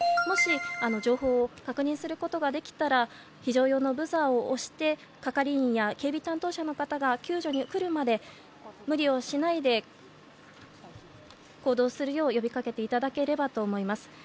もし情報を確認できたら非常用のブザーを押して係員や警備担当者が救助に車で無理をしないで行動するよう呼び掛けていただければと思います。